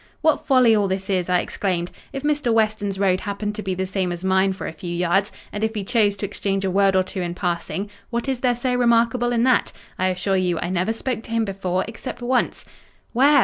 "What folly all this is!" I exclaimed. "If Mr. Weston's road happened to be the same as mine for a few yards, and if he chose to exchange a word or two in passing, what is there so remarkable in that? I assure you, I never spoke to him before: except once." "Where?